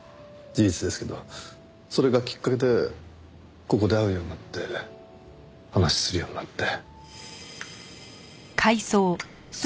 それがきっかけでここで会うようになって話をするようになって。